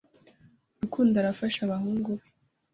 Rukundo arafasha abahungu be,